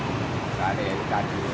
kita bisa beli dari kaki